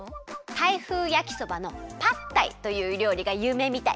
タイ風やきそばのパッタイというりょうりがゆうめいみたい。